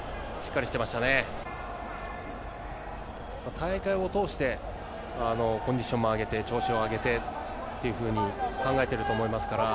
大会を通してコンディションも上げて調子を上げてというふうに考えていると思いますから。